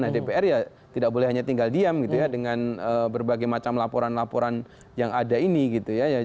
nah dpr ya tidak boleh hanya tinggal diam gitu ya dengan berbagai macam laporan laporan yang ada ini gitu ya